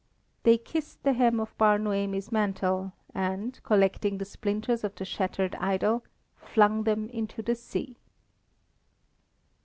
They kissed the hem of Bar Noemi's mantle, and collecting the splinters of the shattered idol, flung them into the sea.